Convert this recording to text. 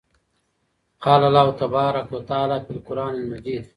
قال الله تبارك وتعالى فى القران المجيد: